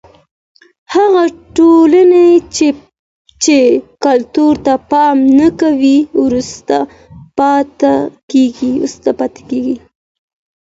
هغه ټولني چی کلتور ته پام نه کوي وروسته پاته کیږي.